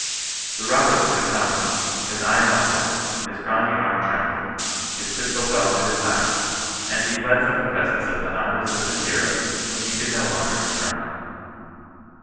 The robber was confounded ; his eye melted ; his brawny arm trem bled ; his pistol fell to his side ; and he fled from the presence of the non resistant hero whom he could no longer confront.